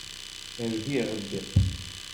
Rbiɣ-d.